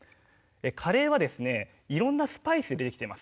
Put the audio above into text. カレーはですねいろんなスパイスでできています。